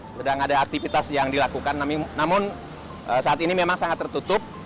sedang ada aktivitas yang dilakukan namun saat ini memang sangat tertutup